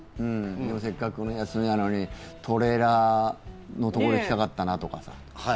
でもせっかくの休みなのにトレーラーのところ行きたかったなとか。